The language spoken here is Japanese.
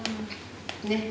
ねっ。